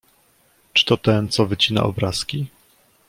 "„Czy to ten, co wycina obrazki?"